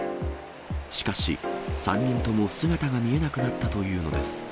しかし、３人とも姿が見えなくなったというのです。